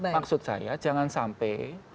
maksud saya jangan sampai